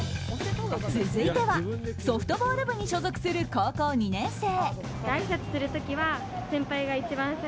続いてはソフトボール部に所属する高校２年生。